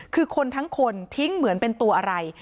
คือคนทั้งคนทิ้งเหมือนเป็นตัวอะไร